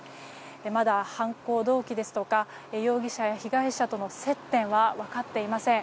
まだ犯行動機や容疑者や被害者との接点は分かっていません。